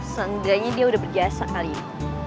seandainya dia udah berjasa kali itu